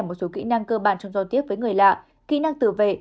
một số kỹ năng cơ bản trong giao tiếp với người lạ kỹ năng tự vệ